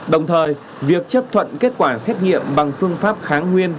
đồng thời việc chấp thuận kết quả xét nghiệm bằng phương pháp kháng nguyên